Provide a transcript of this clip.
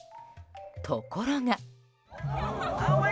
ところが。